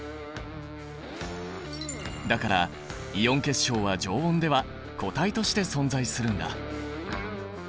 だからイオン結晶は常温では固体として存在するんだ。